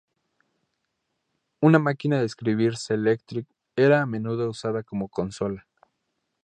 Una máquina de escribir selectric era a menudo usada como consola.